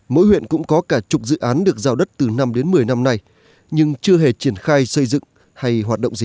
mỗi huyện cũng có cả chục dự án được giao đất từ năm đến một mươi năm nay nhưng chưa hề triển khai xây dựng hay hoạt động gì